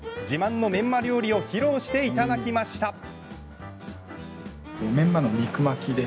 自慢のメンマ料理を披露していただきました。